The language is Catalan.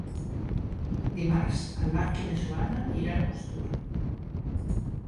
Dimarts en Marc i na Joana iran a Costur.